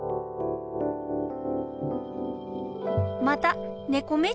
またねこ